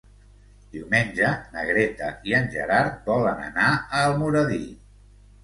Diumenge na Greta i en Gerard volen anar a Almoradí.